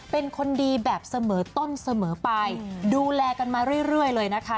เป็นคนดีแบบเสมอต้นเสมอไปดูแลกันมาเรื่อยเลยนะคะ